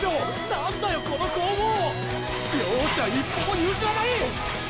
何だよこの攻防！！両者一歩も譲らない！！